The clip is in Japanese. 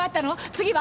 次は？